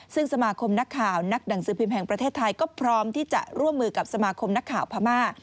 ซึ่งสมาคมนักข่าวนักหนังสือพิมพ์แห่งประเทศไทยก็พร้อมที่จะร่วมมือกับสมาคมนักข่าวพม่า